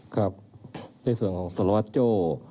ครับในส่วนของสารวัตรโจ้